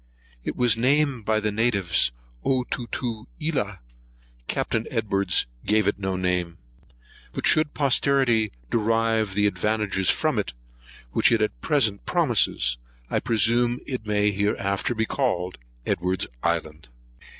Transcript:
It was named by the natives Otutuelah. Capt. Edwards gave no name to it; but should posterity derive the advantages from it which it at present promises, I presume it may hereafter be called Edwards's island.